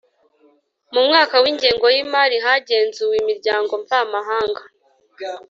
Mu mwaka w ingengo y imari hagenzuwe Imiryango mvamahanga